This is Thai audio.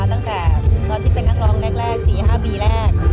ตั้งแต่ตอนที่เป็นนักร้องแรก๔๕ปีแรก